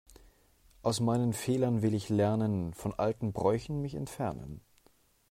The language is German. Aus meinen Fehlern will ich lernen, von alten Bräuchen mich entfernen.